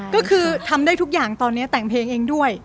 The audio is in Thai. ก็คือทำได้ทุกอย่างตอนนี้แต่งเพลงเองด้วย